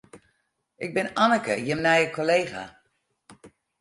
Ik bin Anneke, jim nije kollega.